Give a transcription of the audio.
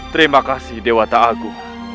terima kasih dewa ta'agu